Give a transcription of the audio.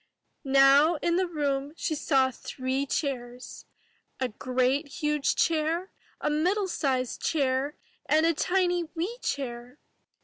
Now in the room she saw three chairs, — a great huge chair, a middle sized chair, and a tiny wee chair.